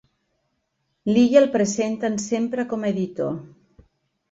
L'Illa el presenten sempre com a editor.